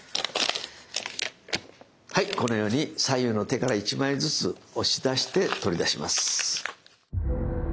はいこのように左右の手から１枚ずつ押し出して取り出します。